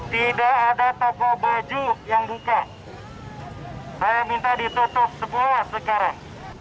tidak ada toko baju yang buka saya minta ditutup semua sekarang